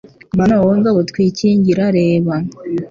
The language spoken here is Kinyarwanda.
Mana wowe ngabo twikingira reba